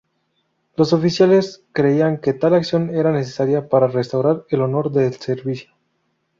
Los oficiales creían que tal acción era necesaria para restaurar el honor del servicio.